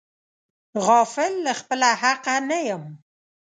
غافل له خپله حقه نه یم.